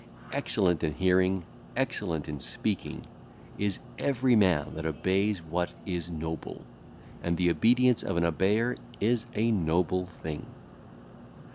Excellent in hearing, excellent in speaking, is every man that obeyeth what is noble; and the obedience of an obeyer is a noble thing.